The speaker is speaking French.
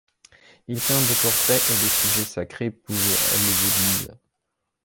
Il peint des portraits et des sujets sacrés pour les églises.